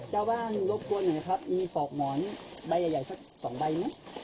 เจ้าบ้านรบกวนไหนครับมีปอกหมอนใบใหญ่สักสองใบไหม